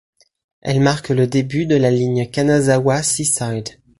Elle marque le début de la ligne Kanazawa Seaside.